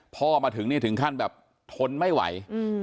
พ่อมาถึงนี่ถึงขั้นแบบทนไม่ไหว